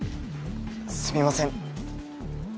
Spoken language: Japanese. すみません。